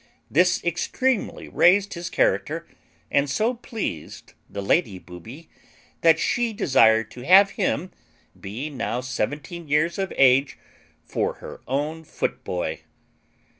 This extremely raised his character, and so pleased the Lady Booby, that she desired to have him (being now seventeen years of age) for her own footboy.